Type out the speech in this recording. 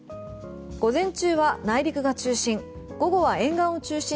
午前中は内陸が中心。